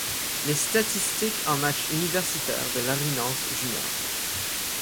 Les statistiques en matchs universitaires de Larry Nance, Jr.